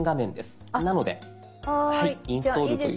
なので「インストール」という。